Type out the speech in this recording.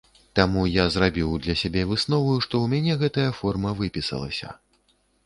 Таму я зрабіў для сябе выснову, што ў мяне гэтая форма выпісалася.